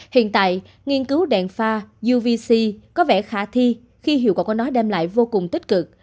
hiện tại nghiên cứu đèn pha uvc có vẻ khả thi khi hiệu quả của nó đem lại vô cùng tích cực